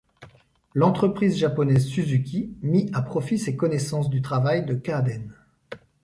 L'entreprise japonaise Suzuki mit à profit ses connaissances du travail de Kaaden.